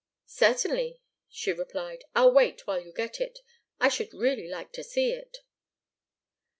"Certainly," she replied. "I'll wait while you get it. I should really like to see it."